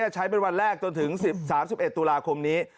ใช้เป็นวันแรกจนถึง๓๑ตุลาคมนี้